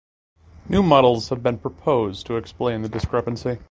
New models have been proposed to explain the discrepancy.